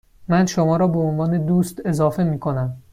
من شما را به عنوان دوست اضافه می کنم.